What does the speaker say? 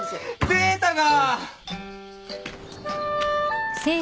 データが！